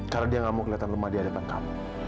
karena dia gak mau kelihatan lemah di hadapan kamu